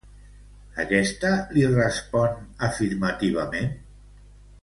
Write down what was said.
Aquesta li respon afirmativament?